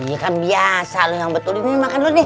iya kan biasa yang betul ini makan dulu nih